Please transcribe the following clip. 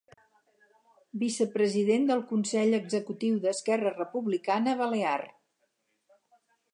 Vicepresident del Consell Executiu d'Esquerra Republicana Balear.